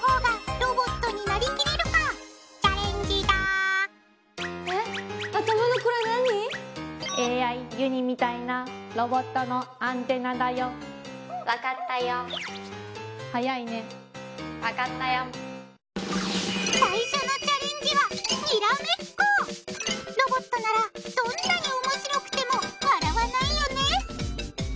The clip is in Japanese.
ロボットならどんなにおもしろくても笑わないよね？